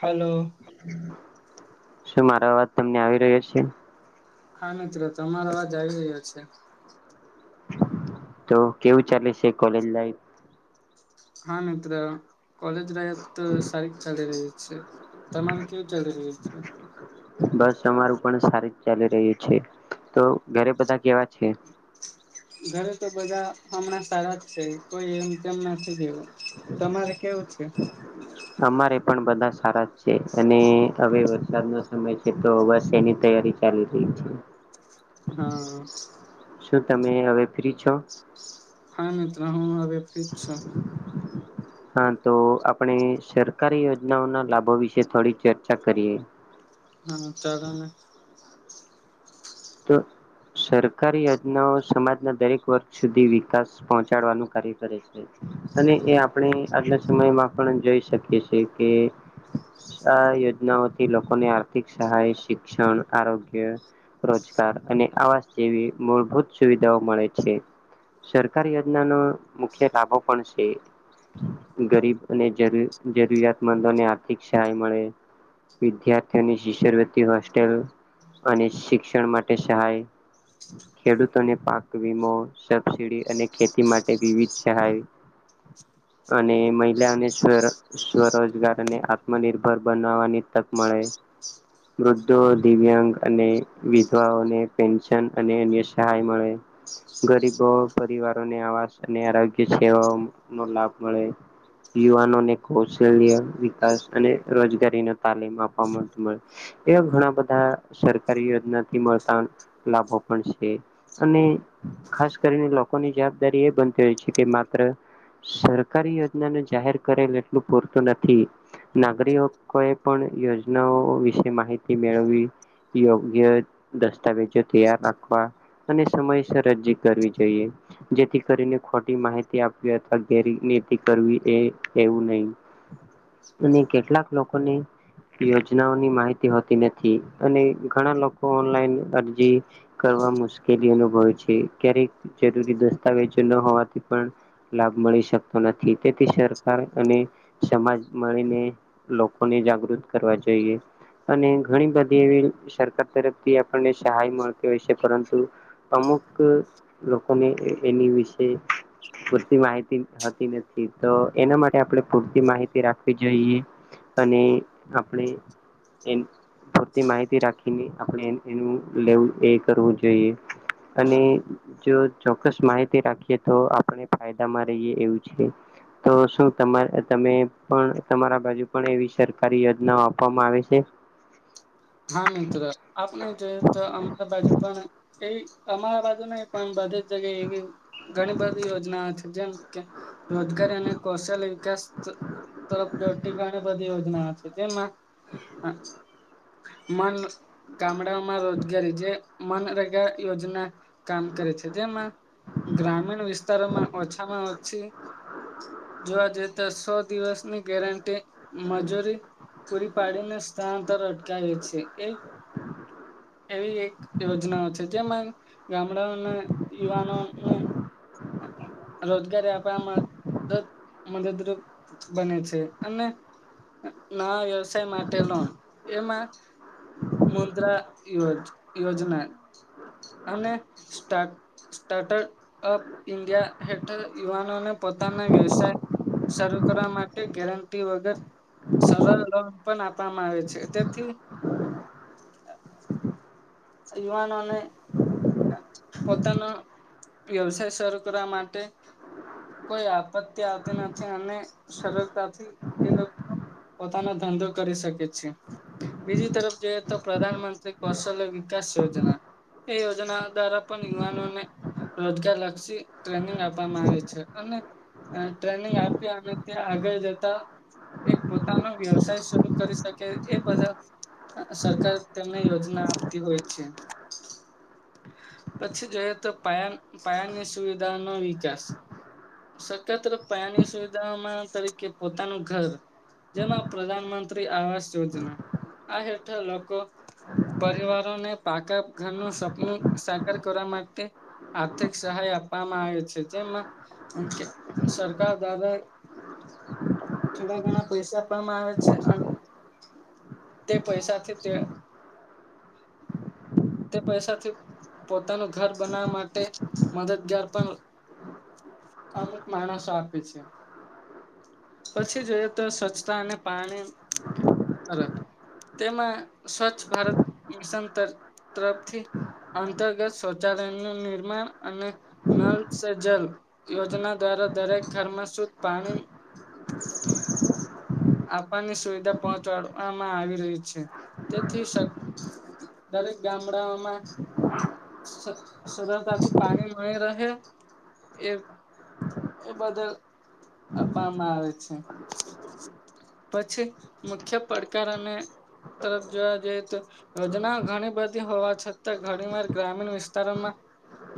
Hello શું મારો અવાજ તમને આવી રહ્યો છે? હા મિત્રો તમારો અવાજ આવી રહ્યો છે તો કેવું ચાલે છે કોલેજ લાઈફ હા મિત્ર કોલેજ લાઇફ તો સારી જ ચાલે રહી છે તમાર કેવું ચાલી રહ્યું છે? બસ અમારું પણ સારી જ ચાલી રહ્યું છે તો ઘરે બધા કેવા છે? ઘરે તો બધા હમણાં સારા જ છે કોઈ એમ તેમ નથી દવું તમારે કેવું છે? અમારે પણ બધા સારા જ છે અને હવે વરસાદ ન સમય છે તો બસ એની તૈયારી ચાલી રહી છે હા શું તમે હવે ફ્રી છો? હા મિત્ર હું હવે ફ્રી જ છું હા તો આપણે સરકારી યોજનાઓના લાભો વિશે થોડી ચર્ચા કરીએ. હા ચાલોને તો સરકારી યોજનાઓ સમાજના દરેક વર્ગ સુધી વિકાસ પહોંચાડવાનું કાર્ય કરે છે. અને એ આપણે આજના સમયમાં પણ જોઈ શકીએ છેએ કે આ યોજનાઓથી લોકોને આર્થિક સહાય શિક્ષણ આરોગ્ય રોજગાર અને આવાસ જેવી મૂળભૂત સુવિધાઓ મળે છે. સરકારી યોજનાનો મુખ્ય લાભો પણ છે. ગરીબ અને જરૂ જરૂરિયાતમંદોને આર્થિક સહાય મળે વિદ્યાર્થીઓની શિષરવતિ હોસ્ટેલ અને શિક્ષણ માટે સહાય ખેડૂતોને પાક વીમો સબસીડી અને ખેતી માટે વિવિધ સહાય. [unintelligible] [inaudible] અને મહિલાને સ્વ સ્વરોજગાર અને આત્મનિર્ભર બનાવવાની તક મળે. વૃદ્ધો દિવ્યાંગ અને વિધવાઓને પેન્શન અને અન્ય સહાય મળે. ગરીબો પરિવારોને આવાસ અને આરોગ્ય સેવાઓનો લાભ મળે. યુવાનોને કૌશલ્ય વિકાસ અને રોજગારી ને તાલીમ આપવા માટે એમ ઘણા બધા સરકારી નથી મળતા ન લાવો પડશે. અને ખાસ કરીને લોકોની જવાબદારી એ બનતી હોય છે. કે માત્ર સરકારી યોજનાનું જાહેર કરેલ એટલું પૂરતું નથી નાગરિયોકોએ પણ યોજનાઓ વિશે માહિતી મેળવી યોગ [unintelligible] દસ્તાવેજો તૈયાર રાખવા અને સમયસર રજી કરવી જોઈએ. જેથી કરીને ખોટી માહિતી આપવી અથવા ગેરીઈ ખેતી કરવી. એ એવું નહી અને કેટલાક લોકોની યોજનાઓની માહિતી હોતી નથી. અને ઘણા લોકો ઓનલાઈન અરજી કરવા મુશ્કેલી અનુભવે છે. ક્યારેક જરૂરી દસ્તાવેજો ન હોવાથી પણ લાભ મળી શકતો નથી. તેથી સરકાર અને સમાજ મળીને લોકોને જાગૃત કરવા જોઈએ. અને ઘણી બધી એવી સરકાર તરફથી આપણને સહાય મળતી હોય છે. પરંતુ અમુક લોકોને એની વિશે પૂરતી માહિતી હતી નથી. તો એના માટે આપડે પૂરતી માહિતી રાખવી જોઈએ. અને આપણે એ પૂરતી માહિતી રાખી ઈને આપણે એન એનું લેવું એ કરવું જોઈએ. અને જો ચોક્કસ માહિતી રાખીએ તો આપણે ફાયદામાં રહીએ એવું છે. તો શું તમાર તમે પણ તમારા બાજુ પણ એવી સરકારી યોજનાઓ આપવામાં આવે છે? [inaudible] હા, મિત્ર આપણે જોઈએ તો અમારા બાજુ પણ એ અમારા બાજુ નઈ પણ બધી જ જગ્યાએ એવી ઘણી બધી યોજના છે. જેમ કે રોજગારી અને કૌશલ વિકાસ તરફ દોઢતી બધી યોજનાઓ છે. તેમાં મન ગામડાઓમાં રોજગારી જે મનરેગા યોજના કામ કરે જેમાં ગ્રામીણ વિસ્તારોમાં ઓછામાં ઓછી જોવા જઈએ. તો સો દિવસની ગેરંટી મજૂરી પૂરી પાડીને સ્થળાંતર અટકાવે છે. એ [inaudible] એવી એક યોજનાઓ છે. જેમાં ગામડાઓના યુવાનોને રોજગારી આપામાં દદ મદદરૂપ બને છે. અને ના વ્યવસાય માટે લોન એમાં, મુદ્રા યોજ યોજના અને સ્ટક સ્ટર્ટઅપ ઇન્ડિયા હેઠળ યુવાનોને પોતાના વ્યવસાય શરૂ કરવા માટે ગેરંટી વગર સરલ લોન પણ આપવામાં આવે છે. તેથી યુવાનોને પોતાનો વ્યવસાય શરૂ કરવા માટે કોઈ આપત્તિ આવતી નથી. અને સરલતાથી એ લોકો પોતાનો ધંધો કરી શકે છે. બીજી તરફ જોઈએ તો પ્રધાનમંત્રી કૌશલ્ય વિકાસ યોજના. એ યોજના દ્વારા પણ યુવાનોને રોજગાર લક્ષી ટ્રેનિંગ આપવામાં આવે છે. અને ટ્રેનિંગ આપ્યા અને ત્યાં આગળ જતા એક પોતાનો વ્યવસાય શરૂ કરી શકે એ બધા સરકાર તેમને યોજના આપતી હોય છે. પછી જોઈએ તો પાયા પાયાની સુવિધાનો વિકાસ [unintelligible] પાયાની સુવિધામાં તરીકે પોતાનું ઘર જેમાં પ્રધાન મંત્રી આવાંસ યોજના આ હેઠળ લોકો પરિવારોને પાકા ઘરનું સપનું સાકાર કરવા માટે આર્થિક સહાય આપવામાં આવે છે જેમાં કે સરકાર દ્વારા થોડા ઘણા પૈસા આપવામાં આવે છે. તે પૈસાથી તે તે પૈસાથી પોતાનું ઘર બનાવા માટે મદદગાર પણ આમુક માણસો આપે છે. પછી જોઈએ તો સ્વચ્છતા અને પાણી તરફ તેમાં સ્વચ્છ ભારત મિશન તરફથી અંતર્ગત શૌચાલયનું નિર્માણ અને નલ સ જલ યોજના દ્વારા દરેક ઘરમાં શુદ્ધ પાણી [inaudible] આપવાને સુવિધા પહોંચાડવામાં આવી રહી છે. તેથી દરેક ગામડાઓમાં સરળતાથી પાણી મળી રહે એ એ બદલ આપવામાં આવે છે. પછી મુખ્ય પડકાર અને તરફ જોવા જઈએ તો યોજનાઓ ઘણી બધી હોવા છતાં ઘણી વાર ગ્રામીણ વિસ્તારોમાં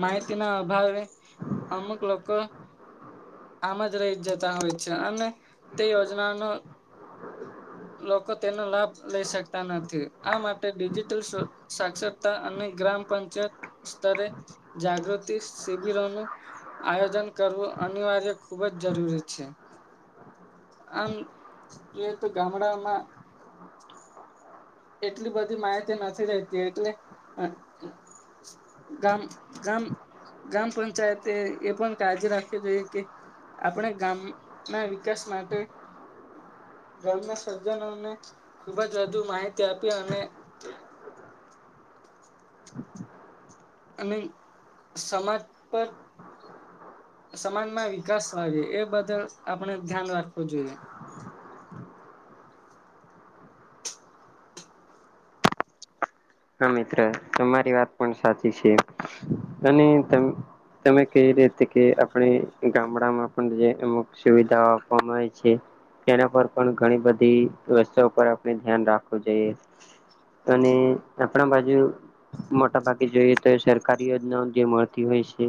માહિતી ના અભાવે અમુક લોકો આમ જ રહી જ જતા હોય છે અને તે યોજનાનો [inaudible] લોકો તેનો લાભ લઈ શકતા નથી, આ માટે ડિજિટલ સાક્ષરતા અને ગ્રામ પંચાયત સ્તરે જાગૃતિ શિબિરોનું આયોજન કરવું અનિવાર્ય ખુબ જ જરૂરી છે, આમ એ તો ગામડામાં [inaudible] એટલી બધી માહિતી નથી રહેતી એટલે ગામ ગામ ગ્રામ પંચાયતે એ પણ કાળજી રાખવી જોઈએ કે આપણે ગામ ના વિકાસ માટે ગામના સજજનો ને ખુબ જ વધુ માહિતી આપી અને [inaudible] અને સમાજ પર સમાજમાં વિકાસ વા એ બદલ આપણે ધ્યાન રાખવું જોઈએ. હા. મિત્ર તમારી વાત પણ સાચી છે અને તમે ક રીતે કે આપણે ગામડામાં પણ જે અમુક સુવિધાઓ આપવામાં આવે છે. તેના પર પણ ઘણી બધી વ્યસ્થા પર આપણે ધ્યાન રાખવું જોઈએ. અને આપણા બાજુ મોટા ભાગે જોઈએ તો સરકારી યોજનાઓ જે મળતી હોય છે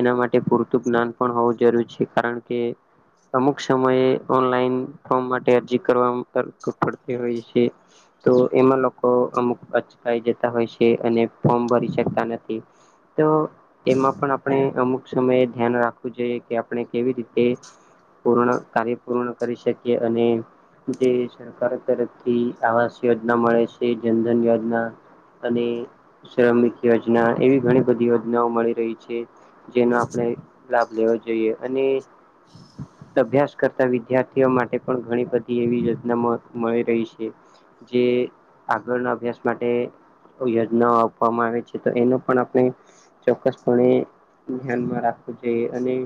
એના માટે પૂરતું જ્ઞાન પણ હોવું જરૂરી છે કારણ કે, અમુક સમયે ઓનલાઈન ફોર્મ માટે અરજી કરવામાં પડતી હોય છે. તો એમાં લોકો અમુક અચકાય જતા હોય છે અને ફોર્મ ભરી શકતા નથી. તો એમાં પણ આપણે અમુક સમયે ધ્યાન રાખવું જોઈએ કે આપણે કેવી રીતે પૂર્ણ કાર્ય પૂર્ણ કરી શકીએ અને જે સરકાર તરફથી આવાસ યોજના મળે છે. જનધન યોજના અને શ્રમિક યોજના એવી ઘણી બધી યોજનાઓ મળી રહી છે. જેનો આપણે લાભ લેવો જોઈએ અને અભ્યાસ કરતા વિદ્યાર્થીઓ માટે પણ ઘણી બધી એવી યોજના મ મળી રહી છે. જે આગળના અભ્યાસ માટે યોજનાઓ આપવામાં આવે છે, તો એનો પણ આપણે ચોક્કસ પણે ધ્યાનમાં રાખવું જોઈએ અને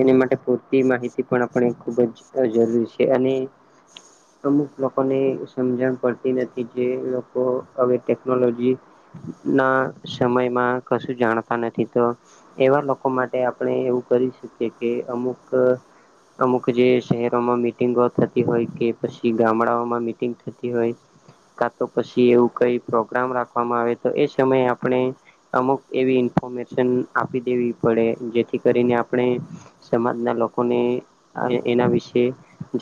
એને માટે પૂરતી માહિતી પણ આપણે ખૂબ જ અ જરૂરી છે. અને અમુક લોકોની સમજણ પડતી ન જે લોકો અવે ટેકનોલોજી ના સમયમાં કશું જાણતા નથી તો એવા લોકો માટે આપણે એવું કરી શકીએ કે અમુક અમુક જે શેહરોમાં મિટિંગો થતી હોય, કે પછી ગામડાઓમાં મિટિંગ થતી હોય. કા તો પછી એવું કઈ પ્રોગ્રામ રાખવામાં આવે તો એ સમયે આપણે અમુક એવી ઇન્ફોર્મેશન આપી દેવી પડે જેથી કરીને આપણે સમાજના લોકોને આ એના વિશે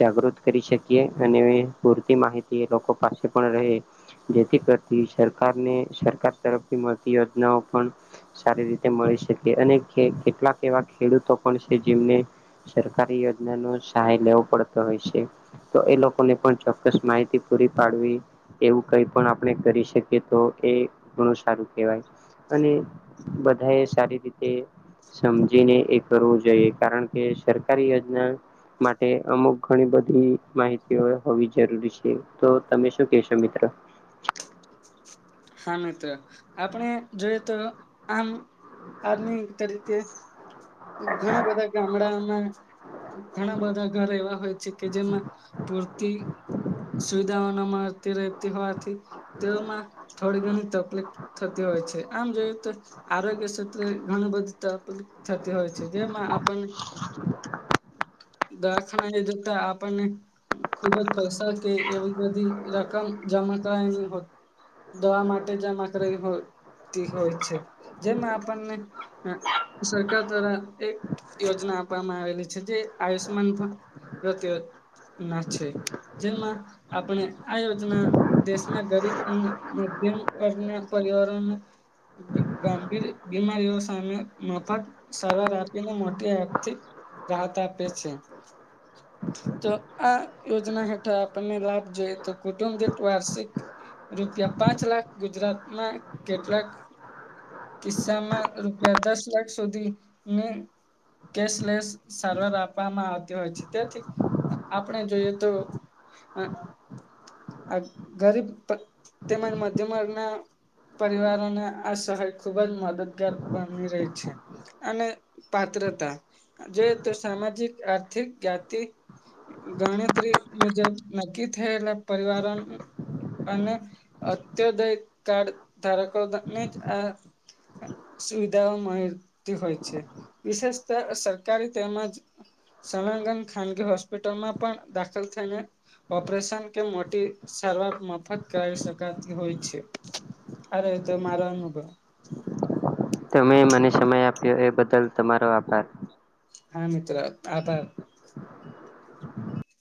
જાગૃત કરી શકીએ અને પૂરતી માહિતી એ લોકો પાસે પણ રહે, જેથી કરતી સરકારને સરકાર તરફથી મળતી યોજનાઓ પણ સારી રીતે મળી શકે અને કે કેટલાક એવા ખેડૂતો પણ છે જેમને સરકારી યોજના નો સહાય લેવો પડતો હોય છે, તો એ લોકોને પણ ચોક્કસ માહિતી પૂરી પાડવી એવું કઈ પણ આપણે કરી શકીએ તો એ ઘણું સારું કેહવાય. અને બધા એ સારી રીતે સમજીને એ કરવું જોઈએ, કારણ કે સરકારી યોજના માટે અમુક ઘણી બધી માહિતીઓ હોવી જરૂરી છે, તો તમે શું કેશો મિત્ર? હા મિત્ર, આપણે જોઈએ તો આમ આદમી તરીકે ઘણા બધા ગામડામાં ઘણા બધા ઘર એવા હોય છે કે જેમાં પૂરતી સુવિધાઓ ન મળતી રેતી હોવાથી તેઓમાં થોડી ઘણી તપલીક થતી હોય છે. આમ જોયએ તો આરોગ્ય ક્ષેત્રે એ ઘણું બધી તરપલી થતી હોય છે જેમાં આપણને [inaudible] દવાખાના એ જોતા આપણને ખુબ જ પૈસા કે એવી બધી રકમ જ [unintelligible] ની હોત, દવા માટે જમાં કરાઈ હોય. તી હોય છે, જેમાં આપણને અ સરકાર દ્વારા એક યોજના આપવામાં આવેલી છે, જે આયુષ્યમાન ભ પ્રત્યે ના છે. જેમાં આપણે આ યોજના દેશ ના ગરીબ અને માધ્યમ વર્ગના પરિવારોનું ગંભીર બીમારીઓ સામે મફત સરવાર આપીને મોટી આર્થિક રાહત આપે છે. તો આ યોજના હેઠળ આપણને લાભ જોઈએ તો કુટુંબ [unintelligible] વાર્ષિક રૂપિયા પાંચ લાખ ગુજરાતમાં કેટલાક કિસ્સામાં રૂપિયા દસ લાખ સુધી ને કેશલેસ સારવાર આપવામાં આવતી હોય છે. તેથી અ આપણે જોઈએ તો આ આ ગરીબ ત તેમજ મધ્યમ વર્ગના પરિવારોને આ સહાય ખુબ જ મદદગાર બની રહી છે. અને પાત્રતા જોયે તો સામાજિક, આર્થિક, જ્ઞાઞતિ ગણતરી મુજબ નક્કી થયેલા પરિવારણ અને અત્યદય કાર ધારકોને જ આ સુવિધાઓ મરતી હોય છે. વિશેષત અ સરકારી તેમજ સલગજ ખાનગી હોસ્પિટલ માં પણ દાખલ થઈને ઓપરેશન કે મોટી સરવાર મફત કરી શકાતી હોય છે, અરે એતો મારો અનુભવ. તમે મને સમય આપ્યો એ બદલ તમારો આભાર. હા મિત્ર આભર.